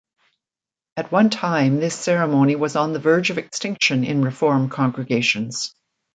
At one time, this ceremony was on the verge of extinction in Reform congregations.